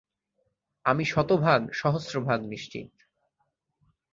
আমি শতভাগ, সহস্রভাগ নিশ্চিত!